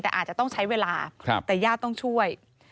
แต่อาจจะต้องใช้เวลาแต่ญาติต้องช่วย